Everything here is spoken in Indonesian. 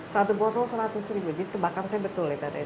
satu botol seratus ribu jadi tebakan saya betul ya tadi